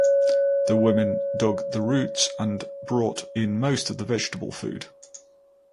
The women dug the roots and brought in most of the vegetable food.